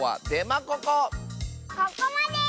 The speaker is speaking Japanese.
ここまで！